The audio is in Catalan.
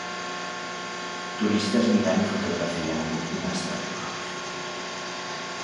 Turistes mirant i fotografiant una estàtua.